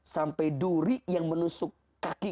sampai duri yang menusuk kaki